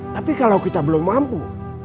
tapi kalau kita belum mampu